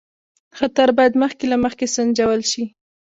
خطر باید مخکې له مخکې سنجول شي.